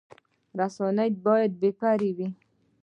رسنۍ باید بې پرې وي